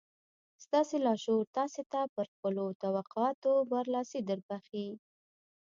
ستاسې لاشعور تاسې ته پر خپلو توقعاتو برلاسي دربښي.